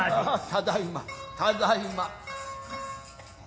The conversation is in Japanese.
ただいまただいま。